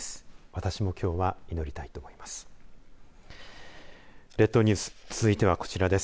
私もきょうは祈りたいと思います。